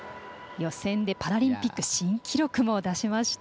予選でパラリンピック新記録も出しました。